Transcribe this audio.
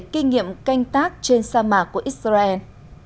kinh nghiệm canh tác trên sa mạc của israel